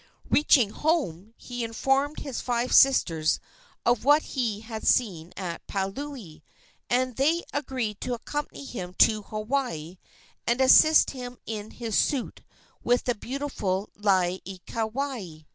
Reaching home, he informed his five sisters of what he had seen at Paliuli, and they agreed to accompany him to Hawaii and assist him in his suit with the beautiful Laieikawai.